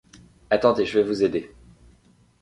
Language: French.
Attendez, je vais vous aider.